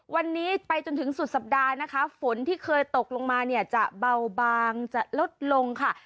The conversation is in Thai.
วันนี้ไปจนถึงสุดสัปดาห์นะคะฝนที่เคยตกลงมาเนี่ยจะเบาบางจะลดลงค่ะ